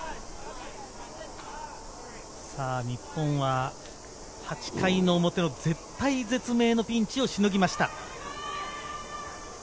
日本は８回の表の絶体絶命のピンチをしのぎました。